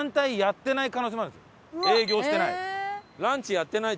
営業してない。